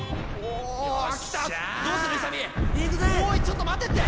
おいちょっと待てって！